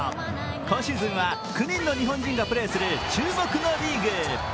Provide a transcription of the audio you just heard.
今シーズンは９人の日本人がプレーする注目のリーグ。